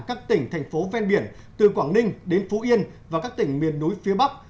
các tỉnh thành phố ven biển từ quảng ninh đến phú yên và các tỉnh miền núi phía bắc